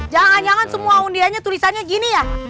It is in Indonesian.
jangan jangan semua undiannya tulisannya gini ya